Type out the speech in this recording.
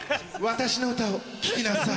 私の歌を聴きなさい。